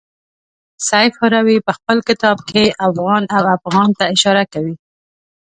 سیف هروي په خپل کتاب کې اوغان او افغان ته اشاره کوي.